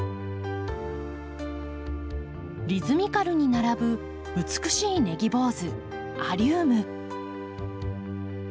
リズミカルに並ぶ美しいネギ坊主アリウム。